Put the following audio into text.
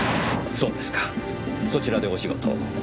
そうですかそちらでお仕事を。